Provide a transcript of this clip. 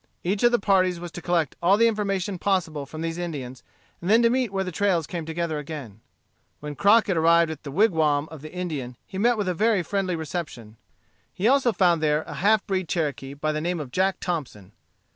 Each of the parties was to collect all the information possible from these Indians, and then to meet where the trails came together again. When Crockett arrived at the wigwam of the Indian he met with a very friendly reception. He also found there a half breed Cherokee, by the name of Jack Thompson.